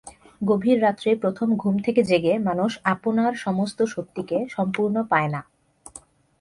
গভীর রাত্রে প্রথম ঘুম থেকে জেগে মানুষ আপনার সমস্ত শক্তিকে সম্পূর্ণ পায় না।